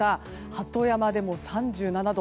鳩山でも３７度。